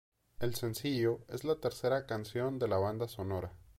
El sencillo es la tercera canción de la banda sonora.